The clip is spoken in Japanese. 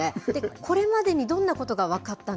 これまでにどんなことが分かった